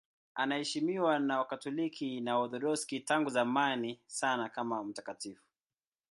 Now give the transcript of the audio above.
Anaheshimiwa na Wakatoliki na Waorthodoksi tangu zamani sana kama mtakatifu.